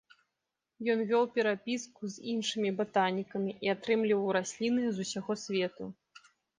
Ён вёў перапіску з іншымі батанікамі і атрымліваў расліны з усяго свету.